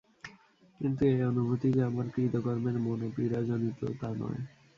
কিন্তু এ অনুভূতি যে আমার কৃতকর্মের মনোপীড়াজনিত, তা নয়।